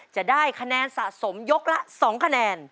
จะได้คะแนนสะสมยกละ๒คะแนน